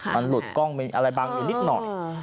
มันหลุดกล้องมีอะไรบังอยู่นิดหน่อย